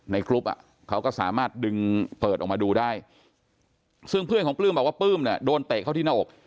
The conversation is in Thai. กรุ๊ปเขาก็สามารถดึงเปิดออกมาดูได้ซึ่งเพื่อนของปลื้มบอกว่าปลื้มเนี่ยโดนเตะเข้าที่หน้าอก